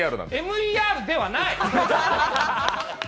ＭＥＲではない！